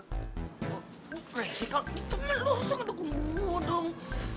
resikal ini temen lu selalu ngedukung gue dong